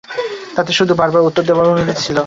তাতে শুধু বারবার উত্তর দেবার অনুরোধই ছিল।